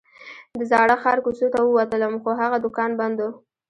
د زاړه ښار کوڅو ته ووتلم خو هغه دوکان بند و.